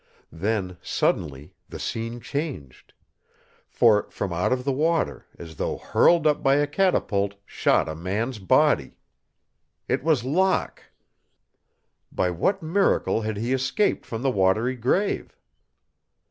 Then, suddenly, the scene changed. For from out the water, as though hurled up by a catapult, shot a man's body. It was Locke. By what miracle had he escaped from the watery grave?